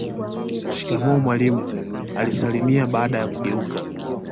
Shikamoo mwalimu alisalimia baada ya kugeuka